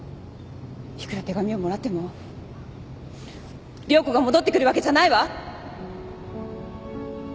いくら手紙をもらっても涼子が戻ってくるわけじゃないわ！